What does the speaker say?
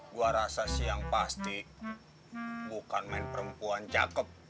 gue rasa sih yang pasti bukan main perempuan cakep